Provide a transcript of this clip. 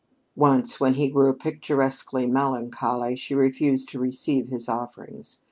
Once, when he grew picturesquely melancholy, she refused to receive his offerings.